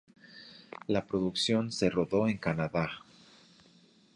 La producción se rodó en Canadá.